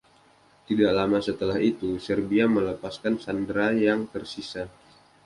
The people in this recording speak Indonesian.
Tidak lama setelah itu, Serbia melepaskan sandera yang tersisa.